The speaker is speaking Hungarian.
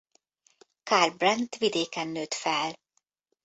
Karl Brandt vidéken nőtt fel.